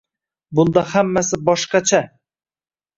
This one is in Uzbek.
Bunda hammasi boshqacha!